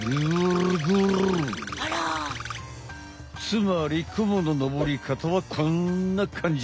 つまりクモの登り方はこんな感じ。